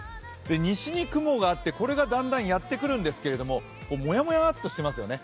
西に雲があって、これがだんだんやってくるんですけど、もやもやっとしてますよね。